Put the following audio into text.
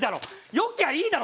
良きゃいいだろ